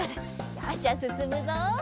よしじゃあすすむぞ。